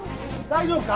大丈夫か？